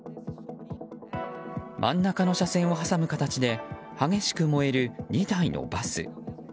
真ん中の車線を挟む形で激しく燃える２台のバス。